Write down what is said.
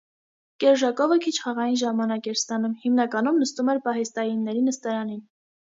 Կերժակովը քիչ խաղային ժամանակ էր ստանում, հիմնականում նստում էր պահեստայինների նստարանին։